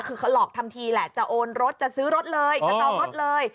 คือเขาหลอกทำทีแหละจะโอนรถจะซื้อรถเลยจะจองรถเลย